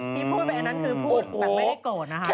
นี่พูดแบบนั้นคือไม่ได้โกรธนะฮะ